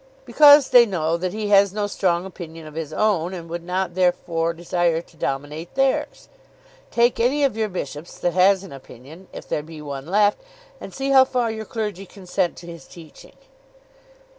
"Because they know that he has no strong opinion of his own, and would not therefore desire to dominate theirs. Take any of your bishops that has an opinion, if there be one left, and see how far your clergy consent to his teaching!"